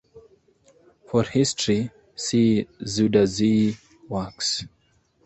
For history see Zuiderzee Works.